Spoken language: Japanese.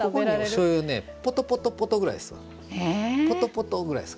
ここにしょうゆをぽとぽとぽとぐらいですわ。